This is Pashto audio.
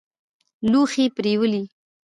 لوښي پرېولي.